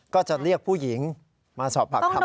ก็จะเรียกผู้หญิงมาสอบปากคำ